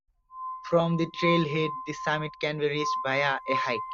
From the trailhead, the summit can be reached via a hike.